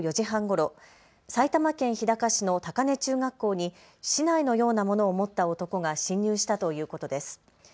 警察によりますときょう午後４時半ごろ、埼玉県日高市の高根中学校に竹刀のようなものを持った男が侵入したということです。